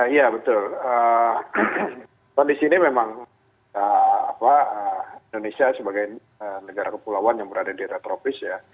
iya betul kondisi ini memang indonesia sebagai negara kepulauan yang berada di daerah tropis ya